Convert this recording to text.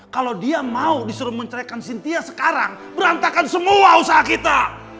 kalau dia mau disuruh menceraikan cynthia sekarang berantakan semua usaha kita